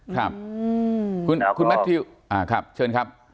ครับคุณแมททิวครับเชิญครับ